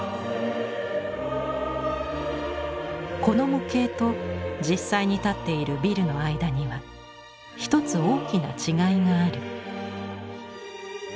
この模型と実際に立っているビルの間には一つ大きな違いがある。